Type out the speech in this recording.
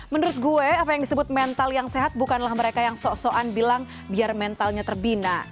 menurut gue apa yang disebut mental yang sehat bukanlah mereka yang sok soan bilang biar mentalnya terbina